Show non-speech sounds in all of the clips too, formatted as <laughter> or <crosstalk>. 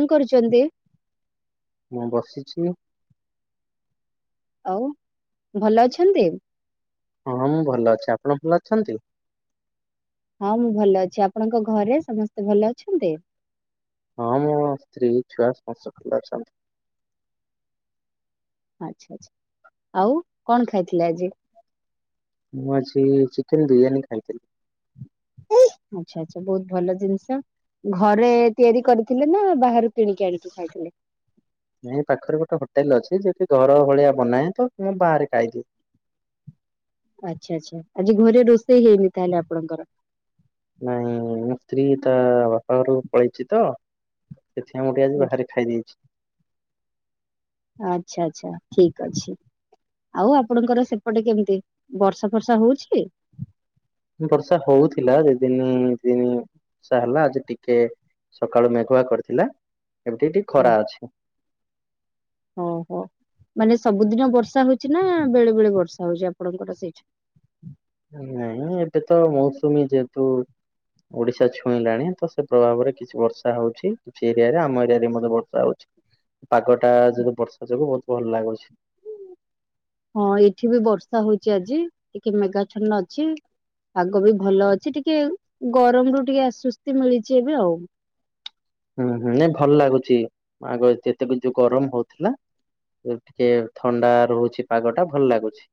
କଣ କରୁଛନ୍ତି ମୁଁ ବସିଛି ଆଉ ଭଲ ଅଛନ୍ତି ହଁଁ ମୁଁ ଭଲ ଅଛି ଆପଣ ଭଲ ଅଛନ୍ତି ହଁ ମୁଁ ଭଲ ଅଛି ଆପଣଙ୍କ ଘରେ ସମସ୍ତେ ଭଲ ଅଛନ୍ତି ହଁ ମୋ ସ୍ତ୍ରୀ ଛୁଆ ସମସ୍ତ ଭଲ ଅଛନ୍ତି। ଆଚ୍ଛା ଆଛା ଆଉ କଣ ଖାଇଥିଲେ ଆଜି ମୁଁ ଆଯି ଚିକେନ ବିରିୟାନୀ ଖାଇଥିଲି। ଆଚ୍ଛା ଆଚ୍ଛା ବହୁତ ଭଲ ଜିନିଷ। ଘରେ ତିଆରି କରିଥିଲେ ନା ବାହାରୁ କିଣିକି ଆଣିକି ଖାଇଥିଲେ ନାଇଁ ପାଖରେ ଗୋଟେ ହୋଟେଲ ଅଛି ଯକି ଘର ଭଳିଆ ବନାଏ ତ ମୁଁ ବାହାରେ ଖାଇଦିଏ ଆଚ୍ଛା ଆଛା ଆଜି ଘରେ ରୋଷେଇ ହେଇନି ତାହେଲେ ଆପଣଙ୍କର ନାଇଁ ମଁ ସ୍ତ୍ରୀ ତା ବାପା ଘରକୁ ପଳେଇଛି ତ ସେଥି ପାଇଁ ମୁ ଟିକେ ଆଜି ବାହାରେ ଖାଇ ଦେଇେଛି ଆଚ୍ଛା ଆଚ୍ଛା ଠିକ ଅଛି। ଆଉ ଆପଣଙ୍କର ସେପଟେ କେମିତି ବର୍ଷା ଫର୍ଷା ହଉଛି ବର୍ଷା ହଉଥିଲା ଦ ଦିନ ଦିନ ବର୍ଷା ହେଲା ଆଜି ଟିକେ ସକାଳୁ ମେଘୁଆ କରିଥିଲା ଏମିତି ଟିକେ ଖରା ଅଛି ଓ ହୋ ମାନେ ସବୁଦିନ ବର୍ଷା ହଉଛି ନା ବେଳେ ବେଳେ ବର୍ଷା ହଉଛି ଆପଣଙ୍କର ସେଇଠି ନାଇଁ ଏବେ ତ ମୌସୁମୀ ଯେହେତୁ ଓଡିଶା ଛୁଇଁଲାଣି ତ ସେ ପ୍ରଭାବରେ କିଛି ବର୍ଷା ହଉଛି। ସେ ଏରିଆ ରେ ଆମ ଏରିଆରେ ମଧ୍ୟ ବର୍ଷା ହଉଛି ପାଗଟା ଯଦି ବର୍ଷା ଯୋଗୁ ବହୁତ ଭଲ ଲାଗୁଛି। ହଁ ଏଠି ବି ବର୍ଷା ହଉଛି ଆଜି ଟିକେ ମେଗା ଛନ ଅଛି ପାଗ ବି ଭଲ ଅଛି ଟିକେ ଗରମରୁୁ ଟିକେ ଆଶୁସ୍ତି ମିଳିଛି ଏବେ ଆଉ ହୁଁ ହୁଁଁ ଭଲ ଲାଗୁଛି ଆଗ ଯେତେକ ଯୋଉ ଗରମ ହଉଥିଲା ଟିକେ ଥଣ୍ଡା ରହୁଛି ପାଗ ଟା ଭଲ ଲାଗୁଛି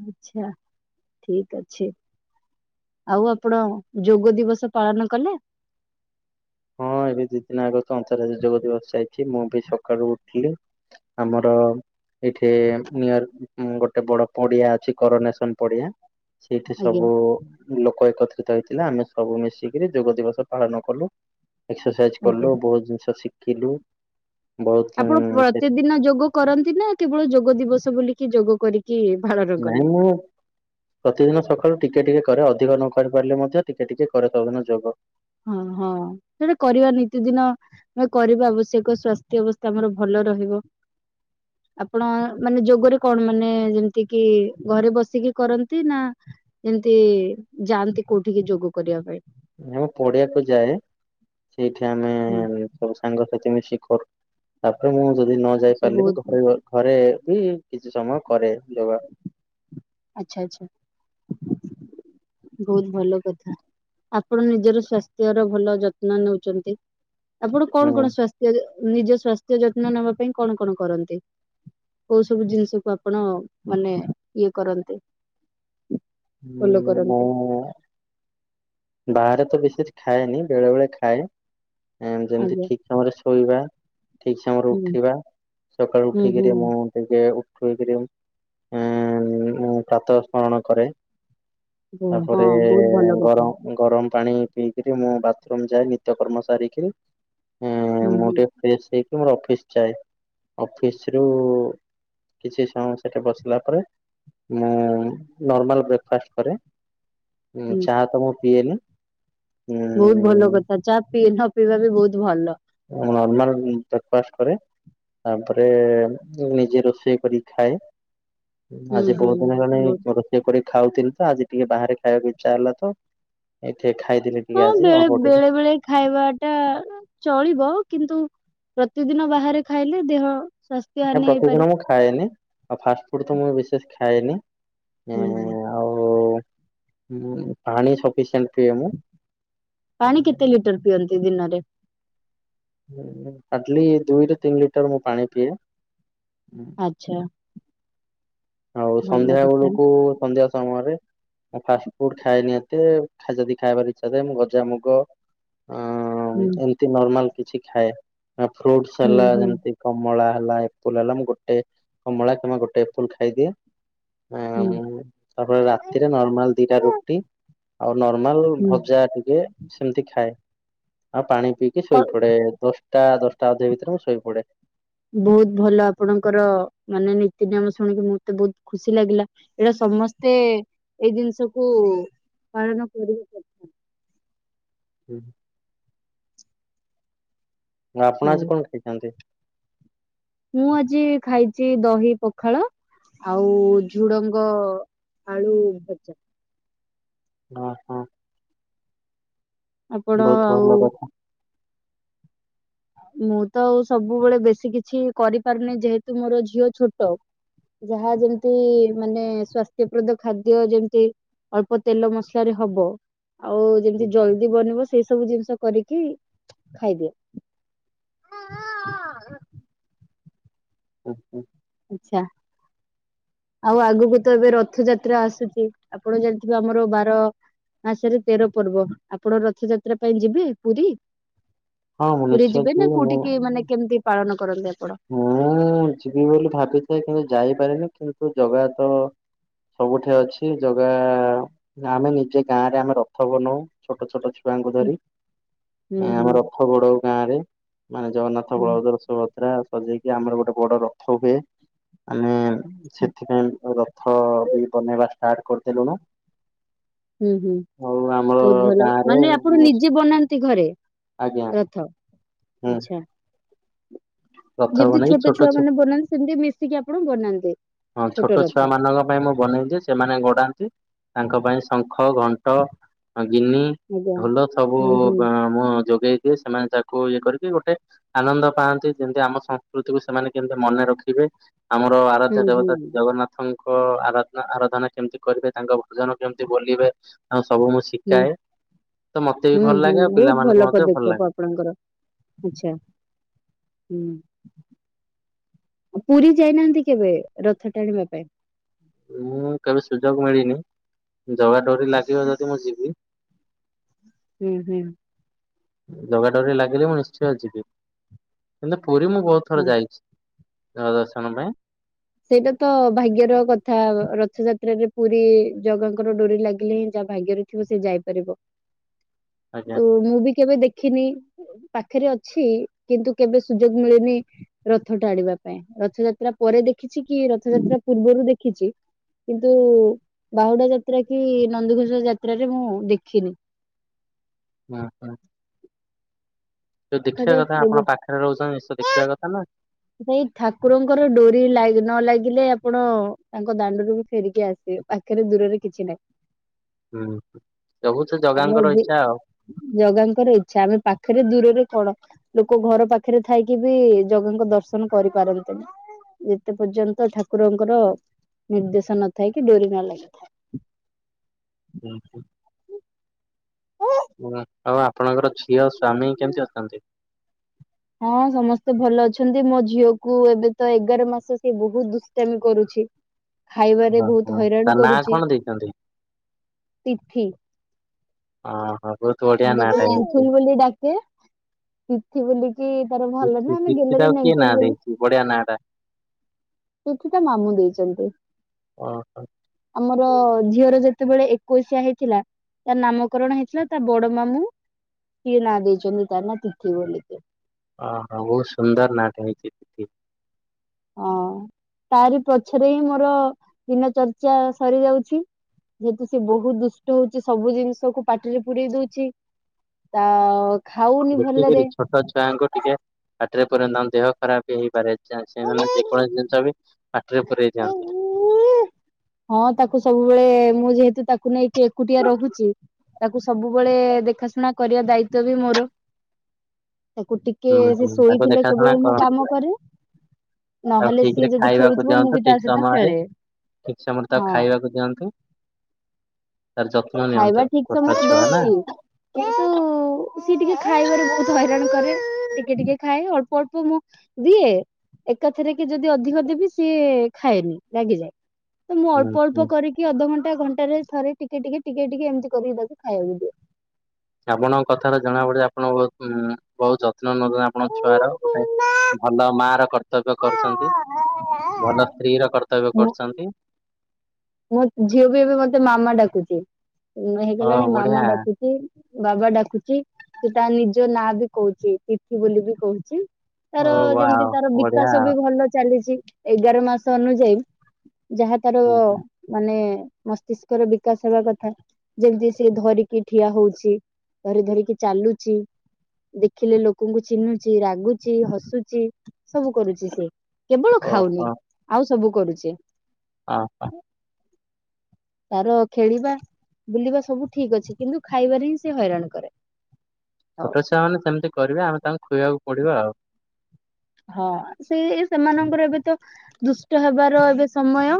ଆଚ୍ଛା ଠିକ ଅଛି। ଆଉ ଆପଣ ଯୋଗ ଦିବସ ପାଳନ କଲେ ହଁ ଏବେ ଦି ଦିନ ଆଗ ତ ଅନ୍ତର୍ରା୍ୟ ଯୋଗ ଦିବସ ଯାଇଛି ମୁଁ ବି ସକାଳୁ ଉଠିଲି ଆମର ଏଇଠି ନିୟର ଗୋଟେ ବଡ ପଡିଆ ଅଛି କରନେସନ ପଡିଆ ସେଇଠି ଆଜ୍ଞା। ସବୁ ଲୋକ ଏକତ୍ରିତ ହେଇଥିଲା ଆମେ ସବୁ ମିଶିକିରି ଯୋଗ ଦିବସ ପାଳନ କଲୁ ଏକ୍ସରସାଇଜ ଆଜ୍ଞା। କଲୁ ବହୁତ ଜିନିଷ ଶିଖିଲୁ ବହୁତ ଆପଣ ସେ ପ୍ରତିଦିନ ଯୋଗ କରନ୍ତି ନା କେବଳ ଯୋଗ ଦିବସ ବୋଲିକି ଯୋଗ କରିକି ପାଳ ନାଇଁ ମୁଁ ପ୍ରତିଦିନ ସକାଳୁ ଟିକେ ଟିକେ କରେ ଅଧିକ ନ କରି ପାରିଲେ ମଧ୍ୟ ଟିକେ ଟିକେ କରେ ସବୁଦିନ ଯୋଗ। ହଁ ହଁ ସେଟା କରିବା ନିତି ଦିନ ଏ କରିବା ଆବଶ୍ୟକ ସ୍ୱାସ୍ଥ୍ୟ ଅବସ୍ଥା ଆମର ଭଲ ରହିବ। <inaudible> ଆପଣ ମାନେ ଯୋଗରେ କଣ ମାନେ ଯେମିତି କିି ଘରେ ବସିକି କରନ୍ତି ନାଁ ଏମତି ଯାଆନ୍ତି କୋଉଠିକି ଯୋଗ କରିବା ପାଇଁ। ନାଁ ପଡ଼ିଆକୁ ଯାଏ ସେଇଠି ଆମେ ହୁଁ ସବୁ ସାଙ୍ଗସଥି ମିଶି କରୁ। ତାପରେ ମୁଁ ଯଦି ନ ଯାଇ ସେ ପାରିଲି ବି ବହୁତ ଦୋକୁଅ ଘରେ ବି କିଛି ସମୟ କରେ ଯୋଗା। ଆଚ୍ଛା ଆଚ୍ଛା। ଭୋଉତ୍ ଭଲ କଥା ଆପଣ ନିଜର ସ୍ଵାସ୍ଥ୍ୟର ଭଲ ଯତ୍ନ ନୋଉଚନ୍ତି। ଆପଣ କଣ ହୁଁ କଣ ସ୍ଵାସ୍ଥ୍ୟ ନିଜ ସ୍ଵାସ୍ଥ୍ୟ ଯତ୍ନ ନବା ପାଇଁ କଣ କଣ କରନ୍ତି? କୋଉ ସବୁ ଜିନିଷକୁ ଆପଣ ମାନେ ଇଏ କରନ୍ତି? ଫୋଲୋ କରନ୍। ମୁଁ ବାହାରେ ତ ବେଶୀଜ୍ ଖାଏନି ବେଳେ ବେଳେ ଖାଏ ଯେମତି ଆଜ୍ଞା ଠିକ୍ ସମୟରେ ଶୋଇବା ଠିକ୍ ସମୟରେ ହୁଁ ଉଠିବା। ସକାଳୁ ହୁଁ ହୁଁ ଉଠିକିରି ମୁଁ ଟିକେ ଉଠୁଇକିରି ଉଁ ଆଁ ମୁଁ ପ୍ରାତଃ ସ୍ମରଣ କରେ। ହୁଁ, ହଁ ତାପରେ ବହୁତ ଭଲ କଥା ଗରମ ଗରମ ପାଣି ପିଇକିରି ମୁଁ ବାଥରୁମ ଯାଏ ନିତ୍ୟ କର୍ମ ସାରିକିରି ହୁଁ ମୁଁ ମୁଁ ହୁଁ ଟିଏ ଫ୍ରସେ ହେଇକି ମୋର ଅଫିସ୍ ଯାଏ ଅଫିସରୁ କିଛି ସମୟ ସେଠି ବସିଲା ପରେ ମୁଁ ନର୍ମାଲ ବ୍ରେକଫାଷ୍ଟ କରେ। ଉଁ ହୁଁ ଚା ତ ମୁଁ ପିଏନି। ବୋହୁତ ଭଲ କଥା ଚା ପି ନ ପିଇବା ବି ବହୁତ ଭଲ। ନର୍ମଲ ବ୍ରେକଫାଷ୍ଟ କରେ। ତାପରେ ନିଜେ ରୋଷେଇ କରି ଖାଏ। ହୁଁ ଆଜି ହୁଁ ବହୁତ ଦିନ ହେଲାଣି ବହୁତ ମୋର ଇଏ କରି ଖାଉଥିଲି ତ ଆଜି ଟିକେ ବାହାରେ ଖାଇବାକୁ ଇଚ୍ଛା ହେଲା ତ ଏଇଠେ ଖାଇଦେଲି। ଟିକେ ହଁ ଆଜି ବେଳେ ଅଳ୍ପ ଟିକେ। ବେଳେ ବେଳେ ଖାଇବା ଟା ଚଳିବ କିନ୍ତୁ ପ୍ରତିଦିନ ବାହାରେ ଖାଇଲେ ଦେହ ସ୍ଵାସ୍ ଆ ପ୍ରତିଦିନ ମୁଁ ଖାଏନି ଆଉ ଫାଷ୍ଟ ଫୁଡ୍ ତ ମୁଁ ବିଶେଷ ଖାଏନି। ହୁଁ ହୁଁ ଏଁ ଆଉ ମୁଁ ପାଣି ସଫିସିଏଣ୍ଟ ପିଏ ମୁଁ ପାଣି କେତେ ଲିଟର ପିଅନ୍ତି ଦିନରେ? ଉଁ ଆଟଲି ଦୁଇରୁ ତିନି ଲିଟର ମୁଁ ପାଣି ପିଏ। ଆଚ୍ଛା। ଆଉ ଭଲ ସନ୍ଧ୍ୟା କଥା ବେଳୁକୁ ସନ୍ଧ୍ୟା ସମୟରେ ମୁଁ ଫାଷ୍ଟ ଫୁଡ୍ ଖାଏ ନି ଏତେ। ଖା ଯଦି ଖାଇବାର ଇଚ୍ଛା ଥାଏ ମୁଁ ଗଜାମୁଗ ଅ ହୁଁ ଏମତି ନର୍ମାଲ କିଛି ଖାଏ ଆ ଫ୍ରୁଟସ୍ ହୁଁ ହେଲା ହୁଁ ଯେମତି। କମଳା ହେଲା ଏପୁଲ ହେଲା ମୁଁ ଗୋଟେ କମଳା କିମ୍ବା ଗୋଟେ ଏପୁଲ ଖାଇଦିଏ। ହୁଁ। ଆଁ ତାପରେ ରାତିରେ ନର୍ମଲ ଦିଟା ରୁଟି ଆଉ ନର୍ମାଲ ହୁଁ ଭଜା ଟିକେ ସେମତି ଖାଏ ଆଉ ପାଣି ପିଇକି ଅ ଶୋଇପଡ଼େ ଦଶ୍ ଟା ଦଶଟା ଅଧେ ଭିତରେ ମୁଁ ଶୋଇ ପଡ଼େ। ବୋହୁତ ଭଲ ଆପଣଙ୍କର ମାନେ ନୀତି ନିୟମ ଶୁଣିକି ମତେ ବୋହୁତ ଖୁସି ଲାଗିଲା। ଏଟା ସମସ୍ତେ ଏଇ ଜିନିଷକୁ ପାଳନ କରିକି ସବୁ <unintelligible> ଆପଣ ହଉ ଆଜି କଣ ଖାଇଚନ୍ତି? ମୁଁ ଆଜି ଖାଇଚି ଦହି ପଖାଳ ଆଉ ଝୁଡଙ୍ଗ ଆଳୁ ଭଜା। ଅ ହଁ। ଆପଣ ବହୁତ ଆଉ ଭଲ କଥା ମୁଁ ତ ଆଉ ସବୁବେଳେ ବେଶୀ କିଛି କରିପାରୁନି ଯେହେତୁ ମୋର ଝିଅ ଛୋଟ ଯାହା ଯେମିତି ମାନେ ସ୍ଵାସ୍ଥ୍ୟପ୍ରଦ ଖାଦ୍ୟ ଯେମତି ଅଳ୍ପ ତେଲ ମସଲାରେ ହବ ଆଉ ଯେମିତି ଜଲଦି ବନିବ ସେଇ ସବୁ ଜିନିଷ କରିକି ଖାଇଦିଅ। <unintelligible> ହୁଁ-ହୁଁ। ଆଚ୍ଛା। ଆଉ ଆଗକୁ ତ ଏବେ ରଥଯାତ୍ରା ଆସୁଚି, ଆପଣ ଜାଣିଥିବେ ଆମର ବାର ମାସରେ ତେର ପର୍ବ, ଆପଣ ରଥଯାତ୍ରା ପାଇଁ ଯିବେ ପୁରୀ? ହଁ ମୁଁ ପୁରୀ ନିଶ୍ଚୟ ଯିବେ ଯିବି ନା ମୁଁ କୋଉଠିକି ମାନେ କେମିତି ପାଳନ କରନ୍ତି ଆପଣ? ମୁଁ ଯିବି ବୋଲି ଭାବିଥାଏ କିନ୍ତୁ ଯାଇପାରେନି କିନ୍ତୁ ଜଗା ତ ସବୁଠି ଅଛି ଜଗା ଆମେ ନିଜେ ଗାଁ ରେ ଆମେ ରଥ ବନଉ ଛୋଟ-ଛୋଟ ଛୁ ଙ୍କୁ ହୁଁ ଧରି ହୁଁ ହୁଁ ଆମ ରଥ ବଡଉ ଗାଁ ରେ ମାନେ ଜଗନ୍ନାଥ ରଥ ହୁଁ ବଳଭଦ୍ର, ସୁଭଦ୍ରା ସଜେଇକି ଆମର ଗୋଟେ ବଡ ରଥ ହୁଏ। ଆମେ ହୁଁ। ସେଥିପାଇଁ ରଥ ବି ବନେଇବା ଷ୍ଟାର୍ଟ କରିଦେଲୁଣୁ। ହୁଁ-ହୁଁ ଆଉ ଆମର ବହୁତ୍ ଭଲ ଗାଁରେ ମାନେ ଆପଣ ନିଜେ ବନାନ୍ତି ଘରେ? ଆଜ୍ଞା ରଥ ହୁଁ ଆଚ୍ଛା। ରଥ ଯେମିତି ବନେଇକି ଛୋଟ ଛୁଆ ଛୁ ମାନେ ବନାନ୍ତି ସେମିତି ମିଶିକି ଆପଣ ବନାନ୍ତି। ହଁ ଛୋଟ ଛୁଆ ମାନଙ୍କ ପାଇଁ ମୁଁ ବନେଇନ୍ତି ସେମାନେ ଗୋଡ଼ାନ୍ତି ତାଙ୍କ ପାଇଁ ଶଙ୍ଖ, ଘଣ୍ଟ, ଗିନି ଆଜ୍ଞା। ଢୋଲ ସବୁ ହୁଁ ହୁଁ ମୁଁ ଯୋଗେଇକି ସେମାନେ ତାକୁ ଇଏ କରିକି ଗୋଟେ ଆନନ୍ଦ ପାଆନ୍ତି ଯେମିତି ଆମ ସଂସ୍କୃତିକୁ ସେମାନେ କେମତି ମନେ ରଖିବେ ଆମର ହୁଁ ଇଷ୍ଟ ହୁଁ ଦେବତା ଶ୍ରୀ ଜଗନ୍ନାଥ ଙ୍କ ଆରାଧ ଆରାଧନା କେମତି କରିବେ ତାଙ୍କ ଭଜନ କେମିତି ବୋଲିବେ ଆଉ ସବୁ ମୁ <unintelligible> ହୁଁ-ହୁଁ ବହୁତ୍ ଭଲ ମଧ୍ୟ ଲାଗେ। ପଦକ୍ଷେପ ଆପଣଙ୍କର ଆଚ୍ଛା। ହୁଁ। <unintelligible> ପୁରୀ ଯାଇନାହାନ୍ତି କେବେ ରଥ ଟାଣିବା ପାଇଁ? ମୁଁ କେବେ ସୁଯୋଗ ମିଳିନି ଜଗା ଡୋରି ଲାଗିବ ଯଦି ମୁଁ ଯିବି। ହୁଁ-ହୁଁ। ଜଗା ଡୋରି ଲାଗିଲେ ମୁଁ ନିଶ୍ଚୟ ଯିବି କିନ୍ତୁ ପୁରୀ ମୁଁ ବହୁତ୍ ଥର ହଁ। ଯାଇଚି। <unintelligible> ଦର୍ଶନ ପାଇଁ। ସେଇଟା ତ ଭାଗ୍ୟର କଥା ରଥଯାତ୍ରାରେ ପୁରୀ ଜଗାଙ୍କର ଡୋରି ଲାଗିଲେ ହିଁ ଯାହା ଭାଗ୍ୟରେ ଥିବ ସେ ଯାଇପାରିବ ଆଜ୍ଞା ତ ମୁଁ ବି କେବେ ଦେଖିନି। ପାଖରେ ଅଛି କିନ୍ତୁ କେବେ ସୁଯୋଗ ମିଳିନି ରଥ ଟାଣିବା ପାଇଁ ରଥଯାତ୍ରା ପରେ ଦେଖିଛି କି ରଥଯାତ୍ରା ପୂର୍ବରୁ ଦେ ଖିଚି କିନ୍ତୁ ବାହୁଡା ଯାତ୍ରା କି ନନ୍ଦିଘୋଷ ଯାତ୍ରାରେ ମୁଁ ଦେଖିନି ମାଆ ଯୋଉ ଦେଖିବା କଥା ଆପଣ ଦେଖାଯାଉ ପାଖରେ ରହୁଛନ୍ତି ନିଶ୍ଚ ଦେଖିବା କଥା ନା ଭାଇ ଠାକୁରଙ୍କର ଡୋରି ଲାଗି ନ ଲାଗିଲେ ଆପଣ ତାଙ୍କ ଦାଣ୍ଡରୁକୁ ଫେରିକି ଆସିବେ ବା ପାଖରେ ଦୂରରେ କିଛି ନାହିଁ ହୁଁ ସବୁ ସେ ଜଗାଙ୍କର ଆମେ ଇଚ୍ଛା ଆଉ। ଜଗାଙ୍କର ଇଚ୍ଛା ଆମେ ପାଖରେ ଦୂରରେ କଣ ଲୋକ ଘର ପାଖରେ ଥାଇକି ବି ଜଗଙ୍କ ଦର୍ଶନ କରିପାରନ୍ତିନି। ଯେତେ ପର୍ଯ୍ୟନ୍ତ ଠାକୁରଙ୍କର ନିର୍ଦ୍ଦେଶ ନଥାଏ କି ଡୋରି ନ ଲାଗିଥାଏ। ହୁଁ ହୁଁ ଆଉ ଆପଣଙ୍କର ଝିଅ ସ୍ଵାମୀ କେମିତି ଅଛନ୍ତି? ହଁ ସମସ୍ତେ ଭଲ ଅଛନ୍ତି ମୋ ଝିଅକୁ ଏବେ ତ ଏଗାର ମାସ ସି ବହୁତ ଦୁଷ୍ଟାମୀ କରୁଛି। ଖାଇବାରେ ବହୁତ ଓହୋ ହଇରାଣ ତା ନାଁ କରୁଛି କଣ ଦେଇଛନ୍ତି? ତିଥି ଓ ହ ମୁ ତାକୁ ପେଣ୍ଠୁଲି ବୋଲି ଡାକେ ତିଥି ବୋଲିକି ତାର ଭଲ ତିଥି ନା ଆମେ ତିଥି ଗଲେରେ ଟାକୁ କିଏ ନାଁ ନେଇାଇଥିଲୁ ବୋଲି ଦେଇଛି ବଢିଆ ନାଁ ଟା ତଠି ତା ମାମୁଁ ଦେଇଛନ୍ତି। ଓ ହୋ ଆମର ଝିଅର ଯେତେବେଳେ ଏକୋଇଶିଆ ହେଇଥିଲା ତାର ନାମକରଣ ହେଇଥିଲା। ତା ବଡ ମାମୁଁ ସିଏ ନାଁ ଦେଇଛନ୍ତି ତାର ନା ତିଥିି ବୋଲିକି ଓହୋ ବହୁତ ସୁନ୍ଦର ନା ଟା ହେଇଛି। ତିଥି। ହଁ ତାରି ପଛରେ ହିଁ ମୋର ଦିନ ଚର୍ଚ୍ଚା ସରି ଯାଉଛି। ଯେହେତୁ ସେ ବହୁତ ଦୁଷ୍ଟ ହଉଛି ସବୁ ଜିନିଷକୁ ପାଟିରେ ପୂରେଇ ଦଉଛି। ତା ଖାଉନି ଭଲରେ ଦେଖିକରି ଛୋଟ ଛୁଆଙ୍କୁ ଟିକେ ପାଟିରେ ପୁରନ୍ତ ଦେହ ଖରାପ ହେଇପାରେ। ସେମାନେ ଯେକୌଣସି ଜିନିଷ ବି ପାଟିରେ ପରେଇ ଦିଅନ୍ତି। ହଁ ତାକୁ ସବୁବେଳେ ମୁଁ ଯେହେତୁ ତାକୁ ନେଇକି ଏକୁଟିଆ ରହୁଛି। ତାକୁ ସବୁବେଳେ ଦେଖାଶୁଣା କରିବା ଦାୟିତଵ ବି ମୋର ତାକୁ ଟ କି ହୁଁ ହୁଁ ସେ ତାକୁ ଶୋଇଥିଲେ ଦେଖାଶୁଣା କେବଳ ମୁଁ କାମ କରନ୍ତୁ କରେ। ତାକୁ ନହେଲେ ଠିକ ରେ ସିଏ ଯଦି ଖାଇବାକୁ ଖେଳୁଥିବ ମୁଁ ଦିଅନ୍ତୁ ବି ତା ଠିକ ସହିତ ସମୟରେ। ଖେଳେ। ଠିକ ସମୟରେ ତାକୁ ହଁ। ଖାଇବାକୁ ଦିଅନ୍ତୁ ତାର ଯତ୍ନ କୁଣ ଖାଇବା ନିଅନ୍ତ ଠିକ ଛୋଟ ସମୟରେ ଛୁଆ ନା। ଦଉଛି କିନ୍ତୁ ସିଏ ଟିକେ ଖାଇବାରେ ବହୁତ ହଇରାଣ କରେ ଟିକେ ଟିକେ ଖାଏ ଅଳ୍ପ ଅଳ୍ପ ମୁଁ ଦିଏ ଏକାଥରେ କି ଯଦି ଅଧିକ ଦେବି ସିଏ ଖାଏନି ଲାଗିଯାଏ। ତ ମୁଁ ହୁଁ ଅଳ୍ପ ଅଳ୍ପ ହୁଁ। କରିକି ଅଧଘଣ୍ଟା ଘଣ୍ଟାରେ ଥରେ ଟିକେ ଟିକେ ଟିକେ ଟିକେ ଏମିତି କରିକି ତାକୁ ଖାଇବାକୁ ଦିଏ ଆପଣଙ୍କ କଥାରେ ଜଣା ପଡେ ଆପଣଙ୍କ ବହୁ ବହୁତ ଯ ନ ନ ଆପଣଙ୍କ ଛୁଆର ଗୋଟେ ଭଲ ମା ର କର କର୍ତ୍ତବ୍ୟ କରୁଛନ୍ତି ଭଲ ସ୍ତ୍ରୀ ର କର୍ତ୍ତବ୍ୟ କରୁଛନ୍ତି। ମୋ ଝିଅ ବି ଏବେ ମତେ ମାମା ଡାକୁଚ ଓ ହେଇଗଲାଣି ବଢିଆ ମାମା ଡାକୁଛି ବାବା ଡାକୁଛି ସେ ତା ନିଜ ନାଁ ବି କହୁଛି ତିଥି ବୋଲି ବି କହୁଛି ଓ ତାର ଯେମତି ୱାଓ ତାର ବଢିଆ ବିକାଶ ବି ଭଲ ଚାଲିଛି। ଏଗାର ମାସ ଅନୁଯାୟୀ ଯାହା ତାର ମାନେ ମସ୍ତିଷ୍କ ର ବିକାଶ ହବା କଥା ଯେମିତି ସି ଧରିକି ଠିଆ ହଉଛି। ଧରି ଧରିକି ଚାଲୁଛି। ଦେଖିଲେ ଲୋକଙ୍କୁ ଚିହ୍ନୁଛି ରାଗୁଛି ହସୁଛି ସବୁ କରୁଛି ସେ କେବଳ ଖାଉନି ଓହୋ ଆଉ ସବୁ କରୁଚି। ହଁ ହ ତାର ଖେଳିବା ବୁଲିବା ସବୁ ଠିକ ଅଛି କିନ୍ତୁ ଖାଇବାରେ ହିଁ ସେ ହଇରାଣ କରେ। ହଉ ଛୋଟ ଛୁଆ ମାନେ ସେମିତିିବେ ଆମେ ତାଙ୍କୁ ଖୁଇବାକୁ ପଡିବା ଆଉ। ହଁ ସେ ସେମାନଙ୍କର ଏବେ ତ ଦୁଷ୍ଟ ହେବାର ଏବେ ସମୟ।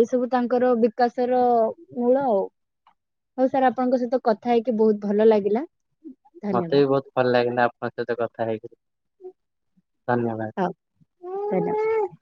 ଏଇ ସବୁ ତାଙ୍କର ବିକାଶ ର ମୂଳ ଆଉ। ହଉ ସାର୍ ଆପଣଙ୍କ ସହିତ କଥା ହେଇକି ବହୁତ ଭଲ ଲାଗିଲା। ମତେ ଧନ୍ୟବାଦ ବି ବହୁତ ଭଲ ଲାଗନି ଆପଣଙ୍କ ସହିତ କଥା ହେଇକରି। ହୁଁ ଧନ୍ୟବାଦ ହଁ